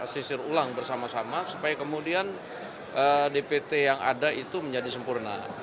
sisir ulang bersama sama supaya kemudian dpt yang ada itu menjadi sempurna